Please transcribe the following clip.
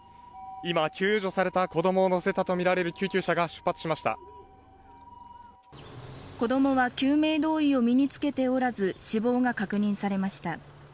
今救助された子どもを乗せたと見られる救急車が出発しました子供は救命胴衣を身に着けておらず死亡が確認されました